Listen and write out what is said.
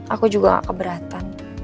aku juga gak keberatan